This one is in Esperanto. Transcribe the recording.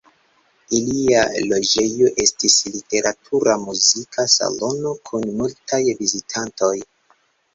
Ilia loĝejo estis literatura-muzika salono kun multaj vizitantoj.